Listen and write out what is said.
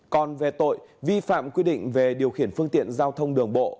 còn về tội vi phạm quy định về điều khiển phương tiện giao thông đường bộ